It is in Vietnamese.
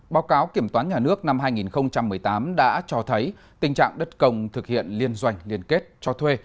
báo cáo kiểm toán nhà nước năm hai nghìn một mươi tám đã cho thấy tình trạng đất công thực hiện liên doanh liên kết cho thuê